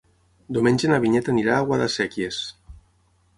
Diumenge na Vinyet anirà a Guadasséquies.